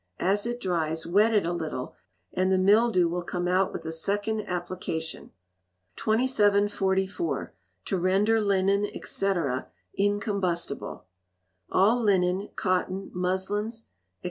As it dries, wet it a little, and the mildew will come out with a second application. 2744. To Render Linen, &c., Incombustible. All linen, cotton, muslins, &c.